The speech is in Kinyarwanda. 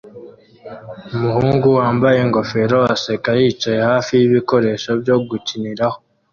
Umuhungu wambaye ingofero aseka yicaye hafi yibikoresho byo gukiniraho